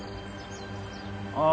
ああ